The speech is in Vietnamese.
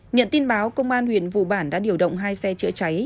nhận tin báo công an huyện vụ bản đã điều động hai xe chữa cháy